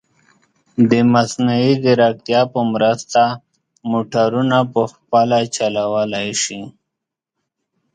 د مصنوعي ځیرکتیا په مرسته، موټرونه په خپله چلولی شي.